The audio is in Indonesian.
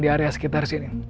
di area sekitar sini